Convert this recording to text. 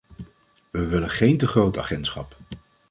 We willen geen te groot agentschap.